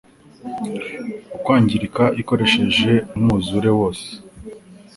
ukwangirika ikoresheje umwuzure wose